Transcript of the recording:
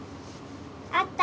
あった！